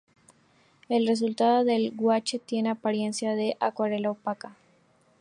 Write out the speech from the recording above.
El resultado del guache tiene apariencia de acuarela opaca.